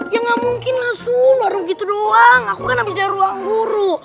ya nggak mungkin lah su baru gitu doang aku kan habis dari ruang guru